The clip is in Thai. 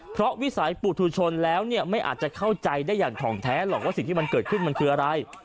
เพราะวิสัยปุธุชนแล้วเนี่ยไม่อาจจะเข้าใจได้อย่างถ่องแท้หรอกว่าสิ่งที่มันเกิดขึ้นมันคืออะไร